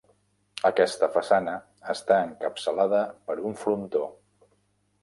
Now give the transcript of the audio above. Aquesta façana està encapçalada per un frontó.